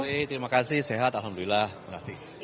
selamat sore terima kasih sehat alhamdulillah terima kasih